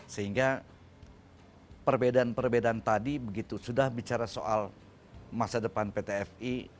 sehingga perbedaan perbedaan tadi begitu sudah bicara soal masa depan pt fi